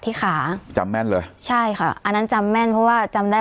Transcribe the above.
ขาจำแม่นเลยใช่ค่ะอันนั้นจำแม่นเพราะว่าจำได้